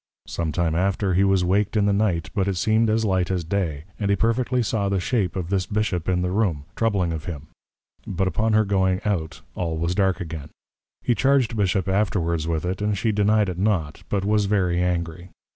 Some time after, he was waked in the Night; but it seem'd as light as day; and he perfectly saw the shape of this Bishop in the Room, troubling of him; but upon her going out, all was dark again. He charg'd Bishop afterwards with it, and she deny'd it not; but was very angry.